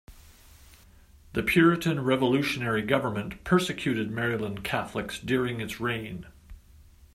The Puritan revolutionary government persecuted Maryland Catholics during its reign.